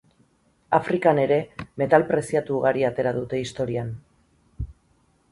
Afrikan ere metal preziatu ugari atera dute historian.